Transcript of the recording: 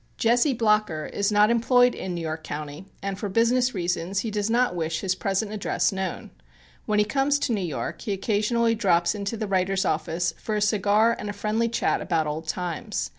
Jesse Blocher is not employed in New York County, and for business reasons he does not wish his present address known. When he comes to New York he occasionally drops into the writer's office for a cigar and a friendly chat about old times.